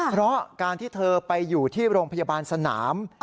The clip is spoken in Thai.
เพราะการที่เธอไปอยู่ที่โรงพยาบาลสนาม